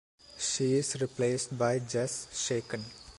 She is replaced by Jesse Chacon.